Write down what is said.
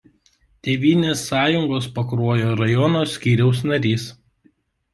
Tėvynės sąjungos Pakruojo rajono skyriaus narys.